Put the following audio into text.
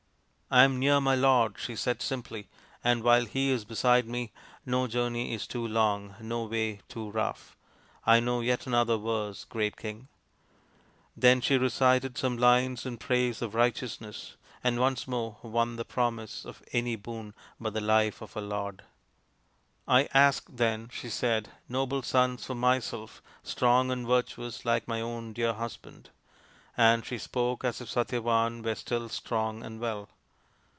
" I am near my lord," she said simply, " and while he is beside me no journey is too long, no way too rough. I know yet another verse, great King." Then she recited some lines in praise of Right eousness, and once more won the promise of any boon but the life of her lord. E 66 THE INDIAN STORY BOOK " I ask then/' she said, " noble sons for myself, strong and virtuous, like my own dear husband/' And she spoke as if Satyavan were still strong and well.